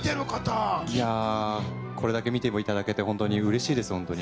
いやー、これだけ見ていただけて、本当にうれしいです、本当に。